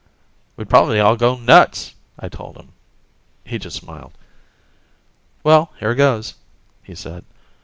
"We'd probably all go nuts!" I told him. He just smiled. "Well, here goes," he said.